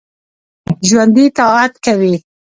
ژوندي طاعت کوي